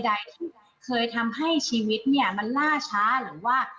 ใดที่เคยทำให้ชีวิตเนี่ยมันล่าช้าหรือว่า